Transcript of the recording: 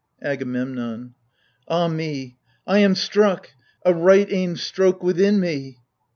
AGAMEMNON. Ah me ! I am struck — a right aimed stroke within me